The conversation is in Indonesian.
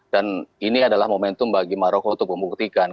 dan ini adalah momentum bagi maroko untuk membuktikan